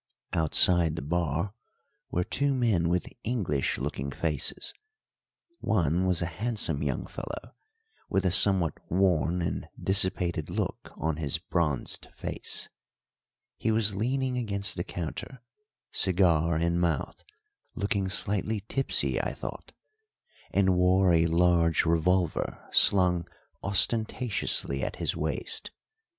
Outside the bar were two men with English looking faces. One was a handsome young fellow with a somewhat worn and dissipated look on his bronzed face; he was leaning against the counter, cigar in mouth, looking slightly tipsy, I thought, and wore a large revolver slung ostentatiously at his waist.